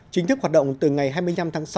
chính thức hoạt động từ ngày hai mươi năm tháng sáu